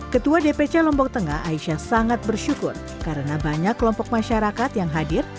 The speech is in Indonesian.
ketua dpc lombok tengah aisyah sangat bersyukur karena banyak kelompok masyarakat yang hadir